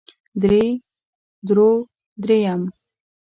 درې درو درېيم